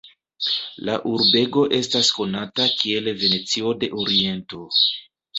La urbego estas konata kiel Venecio de Oriento.